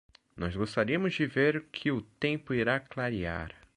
Nós gostaríamos de ver que o tempo irá clarear.